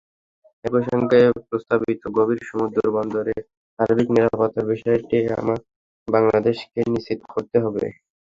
একই সঙ্গে প্রস্তাবিত গভীর সমুদ্রবন্দরের সার্বিক নিরাপত্তার বিষয়টি বাংলাদেশকেই নিশ্চিত করতে হবে।